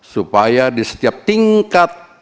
supaya di setiap tingkat